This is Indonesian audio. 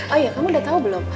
oh iya kamu udah tahu belum